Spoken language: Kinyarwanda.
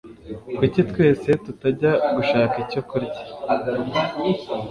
Kuki twese tutajya gushaka icyo kurya?